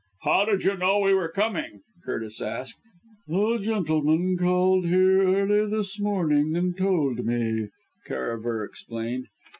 "How did you know we were coming," Curtis asked. "A gentleman called here early this morning and told me," Karaver explained.